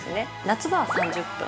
夏場は３０分。